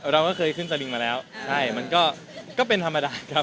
เราก็เคยขึ้นสรริงประเทศมาแล้วมาได้ปวดเดันใช่มันก็เป็นธรรมดาครับ